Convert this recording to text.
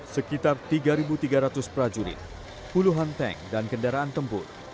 sekitar tiga tiga ratus prajurit puluhan tank dan kendaraan tempur